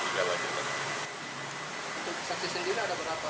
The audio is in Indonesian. untuk saksi sendiri ada berapa